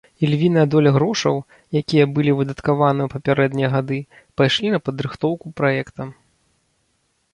Ільвіная доля грошаў, якія былі выдаткаваныя ў папярэднія гады пайшлі на падрыхтоўку праекта.